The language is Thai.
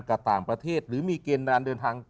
กับต่างประเทศหรือมีเกณฑ์การเดินทาง